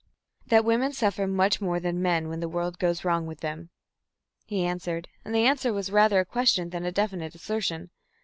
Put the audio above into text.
"That women suffer much more than men when the world goes wrong with them," he answered, and the answer was rather a question than a definite assertion.